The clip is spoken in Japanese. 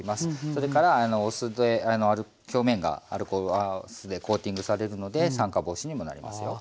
それからお酢で表面が酢でコーティングされるので酸化防止にもなりますよ。